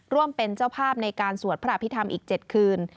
ร่วมเป็นเจ้าภาพในการสวดพระอภิษฐรรมอีก๗คืน